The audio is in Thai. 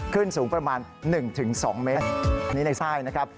ขึ้นสูงประมาณ๑๒เมตรอันนี้ในไส้นะครับ